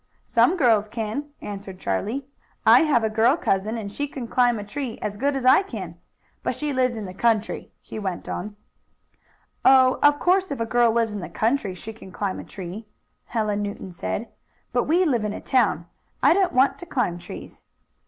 "Some girls can," answered Charlie. "I have a girl cousin, and she can climb a tree as good as I can. But she lives in the country," he went on. "Oh, of course if a girl lives in the country she can climb a tree," Helen Newton said "But we live in a town. I don't want to climb trees."